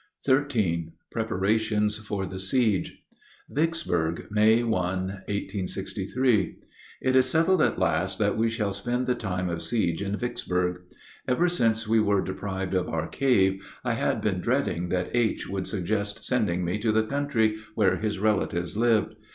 XIII PREPARATIONS FOR THE SIEGE Vicksburg, May 1, 1863. It is settled at last that we shall spend the time of siege in Vicksburg. Ever since we were deprived of our cave, I had been dreading that H. would suggest sending me to the country, where his relatives lived.